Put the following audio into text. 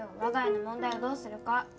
我が家の問題をどうするか。